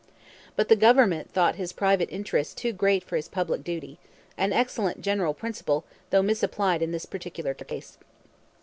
But the government thought his private interests too great for his public duty an excellent general principle, though misapplied in this particular case.